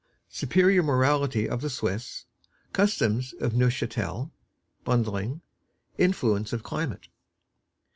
Superior Morality of the Swiss. Customs of Neufchatel. "Bundling." Influence of Climate.